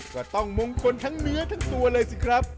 ก็ต้องมงคลทั้งเนื้อทั้งตัวเลยสิครับ